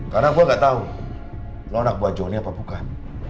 karena gue gak tau lo anak buat jonny apa bukan